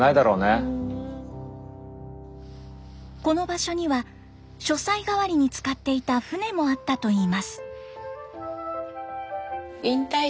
この場所には書斎代わりに使っていた船もあったといいます。